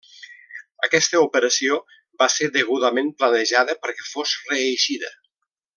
Aquesta operació va ser degudament planejada perquè fos reeixida.